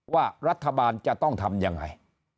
ว่ารัฐบาลจะต้องทำยังไง